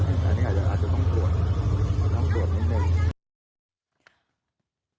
อันนี้อาจจะต้องปวดต้องปวดนิดหนึ่ง